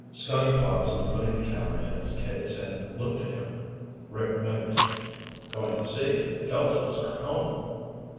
Scotty paused in putting the camera in its case and looked at him. Rick winked. "Going to see if the Kelsos are home."